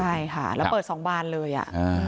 ใช่ค่ะแล้วเปิด๒บานเลย